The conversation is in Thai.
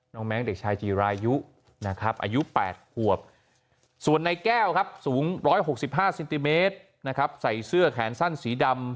น้องแม้งเด็กชายจีรายุอายุ๘หัวส่วนในแก้วครับสูง๑๖๕ซินติเมตรใส่เสื้อแขนสั้นสีดำ